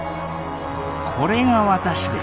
これが私です！